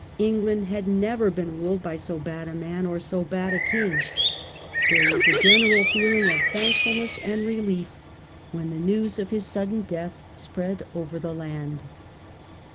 England had never been ruled by so bad a man, or so bad a king. There was a general feeling of thank THE REGENCY. 59 fulness and relief when the news of his sudden death spread over the land.